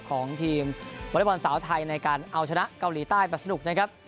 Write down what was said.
ของทีมวอเล็กบอลสาวไทยในการเอาชนะเกาหลีใต้แบบสนุกนะครับ